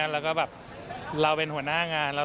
แล้วก็แบบเราเป็นหัวหน้างาน